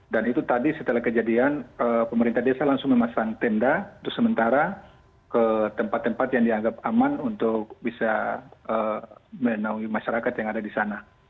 dan itu tadi setelah kejadian pemerintah desa langsung memasang tenda untuk sementara ke tempat tempat yang dianggap aman untuk bisa menenangi masyarakat yang ada di sana